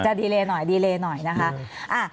จะดีเรย์หน่อยนะคะ